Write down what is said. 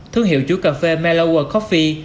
thương hiệu chuối cà phê melowa coffee